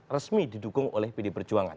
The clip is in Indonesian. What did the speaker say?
resmi didukung oleh pd perjuangan